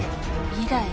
未来